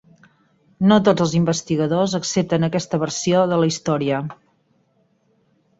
No tots els investigadors accepten aquesta versió de la història.